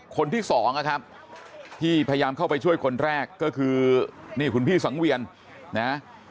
คนที่สองนะครับที่พยายามเข้าไปช่วยคนแรกก็คือนี่คุณพี่สังเวียนนะ